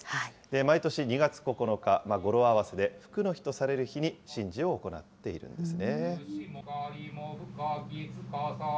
毎年２月９日、語呂合わせでふくの日とされる日に神事を行っているんですね。